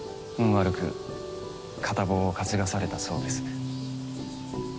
悪く片棒を担がされたそうです。